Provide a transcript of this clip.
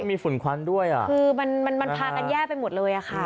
มีฝุ่นควันด้วยอ่ะคือมันมันพากันแย่ไปหมดเลยอ่ะค่ะ